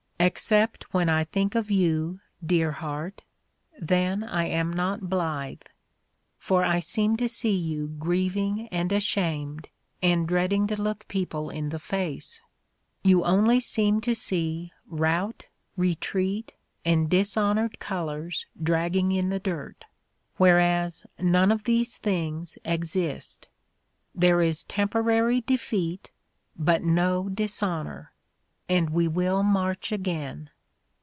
Except when I think of you, dear heart — then I am not blithe ; for I seem to see you grieving and ashamed, and dreading to look people in the face. ... You only seem to see rout, retreat, and dishonored colors dragging in the dirt — whereas none of these things exist. There is temporary defeat, but no dishonor — and we will march again.